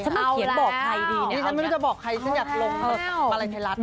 มาเขียนบอกใครดีดิฉันไม่รู้จะบอกใครฉันอยากลงมาลัยไทยรัฐ